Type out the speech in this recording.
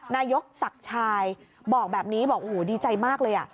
นายกศักดิ์ชายบอกแบบนี้บอกโอ้โหดีใจมากเลย